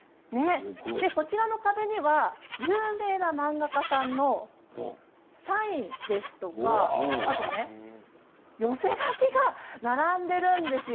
こちらの壁には有名な漫画家さんのサインですとか寄せ書きが並んでいるんですよ。